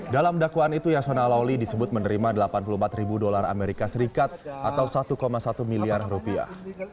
dalam dakwaan itu yasona lawli disebut menerima delapan puluh empat ribu dolar amerika serikat atau satu satu miliar rupiah